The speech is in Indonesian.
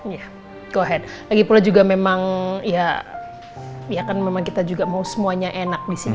ya go ahead lagi pula juga memang ya ya kan memang kita juga mau semuanya enak disini